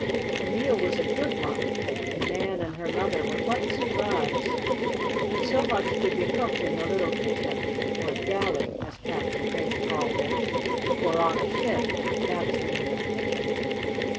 The meal was a good one, and Nan and her mother were quite surprised that so much could be cooked in the little kitchen, or "galley," as Captain Crane called it, for on a ship that is the name of the kitchen.